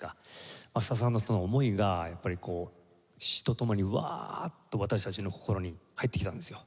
益田さんのその思いがやっぱりこう詞とともにワーッと私たちの心に入ってきたんですよ。